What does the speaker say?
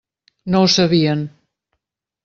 No ho sabien.